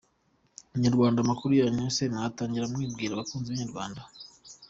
Inyarwanda: Amakuru yanyu, ese mwatangira mwibwira abakunzi b’inyarwanda.